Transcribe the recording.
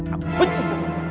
aku benci semua